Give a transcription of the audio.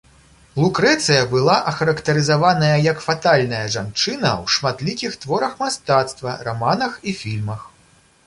Лукрэцыя была ахарактарызаваная як фатальная жанчына ў шматлікіх творах мастацтва, раманах і фільмах.